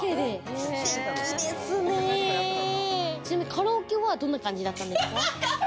カラオケはどんな感じだったんですか？